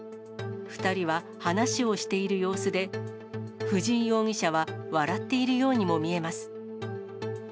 ２人は話をしている様子で、藤井容疑者は笑っているようにも見えます。